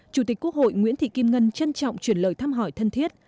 chủ tịch quốc hội nguyễn thị kim ngân trân trọng chuyển lời thăm hỏi thân thiết